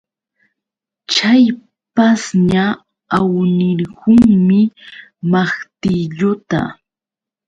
Chay pashña awnirqunmi maqtilluta.